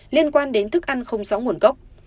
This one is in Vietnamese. liên quan đến thức ăn không rõ nguồn gốc